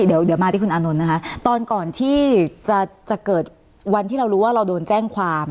เดี๋ยวมาที่คุณอานนท์นะคะตอนก่อนที่จะเกิดวันที่เรารู้ว่าเราโดนแจ้งความ